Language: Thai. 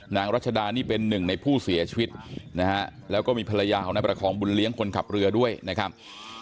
รัชดานี่เป็นหนึ่งในผู้เสียชีวิตนะฮะแล้วก็มีภรรยาของนายประคองบุญเลี้ยงคนขับเรือด้วยนะครับ